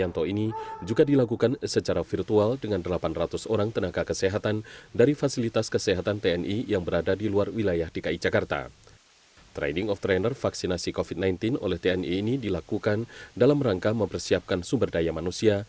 trading of trainer vaksinasi covid sembilan belas oleh tni ini dilakukan dalam rangka mempersiapkan sumber daya manusia